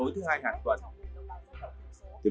tối thứ hai hàng tuần